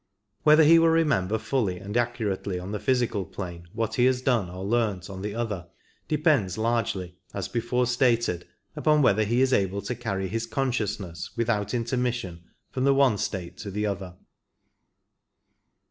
Whether he will remember fully and accurately on the physical plane what he has done or learnt on the other depends largely, as before stated, upon whether he is able to carry his con sciousness without intermission from the one state to the other.